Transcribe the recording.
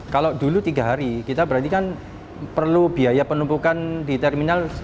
kalau dulu tiga hari kita berarti kan perlu biaya penumpukan di terminal